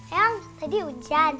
eang tadi hujan